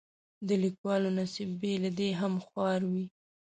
د لیکوالو نصیب بې له دې هم خوار وي.